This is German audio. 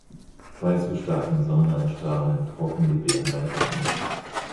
Bei zu starken Sonneneinstrahlung trocken die Beeren leicht ein.